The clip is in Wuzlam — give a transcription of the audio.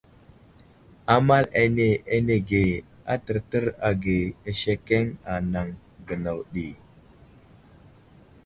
Amal ane anege a tərtər age asekeŋ anaŋ gənaw ɗi.